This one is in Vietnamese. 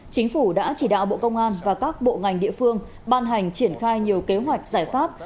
chính phủ đã chỉ đạo bộ công an và các bộ ngành địa phương ban hành triển khai nhiều kế hoạch giải pháp